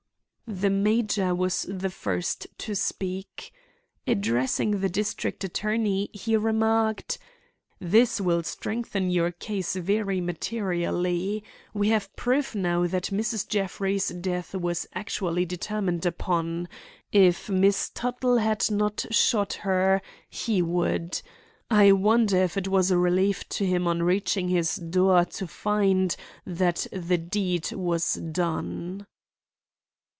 The major was the first to speak. Addressing the district attorney, he remarked: "This will strengthen your case very materially. We have proof now that Mrs. Jeffrey's death was actually determined upon. If Miss Tuttle had not shot her, he would. I wonder if it was a relief to him on reaching his door to find that the deed was done."